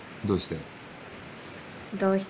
どうして？